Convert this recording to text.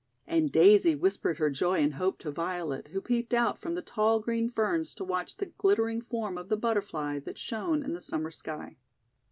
And Daisy whispered her joy and hope to Violet, who peeped out from the tall green Ferns to watch the glittering form of the Butter fly, that shone in the Summer sky.